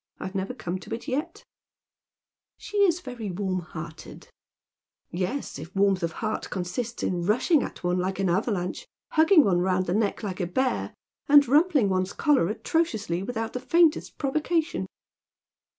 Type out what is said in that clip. I've never come to it yet." She is vei7» warm hearted." Drifting into JSaven. 49 "Yes, if warmth of heart consists in rushing at one like an avalanche, hugging one round the neck like a bear, and rumpling one's collar atrociously, without the faintest provocation."